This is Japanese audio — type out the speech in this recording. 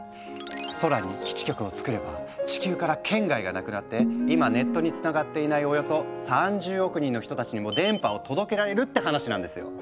空に基地局をつくれば地球から圏外がなくなって今ネットにつながっていないおよそ３０億人の人たちにも電波を届けられるって話なんですよ。